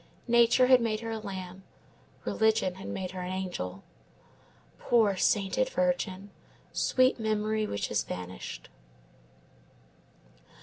Nature had made her a lamb, religion had made her an angel. Poor sainted virgin! Sweet memory which has vanished!